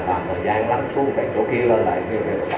làm thời gian lắm cứ cạnh chỗ kia lần lại kêu cái bắt bóng làm